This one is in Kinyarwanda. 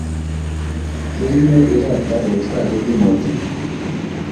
filim irata ubutwari bw’Inkotanyi